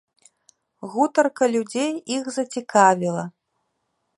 Гутарка людзей іх зацікавіла.